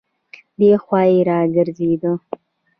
دی خوا يې راګرځېده.